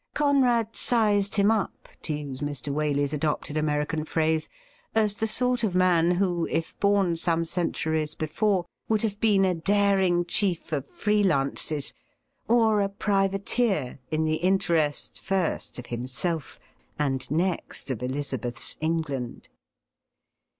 Conrad ' sized him up,' to use Mr. Waley's adopted American phrase, a^ the sort of man who, if born some centuries before, would have been a daring chief of Free Lances, or a privateer in the interest, first of himself, and next of Elizabeth's England.